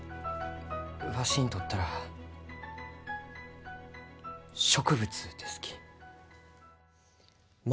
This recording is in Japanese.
わしにとったら植物ですき。